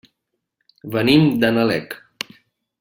Venim de Nalec.